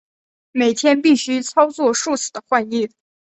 每天必须操作数次的换液。